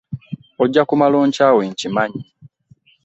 Ojja kumala onkyawe nkimanyi.